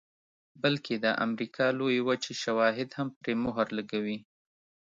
بلکې د امریکا لویې وچې شواهد هم پرې مهر لګوي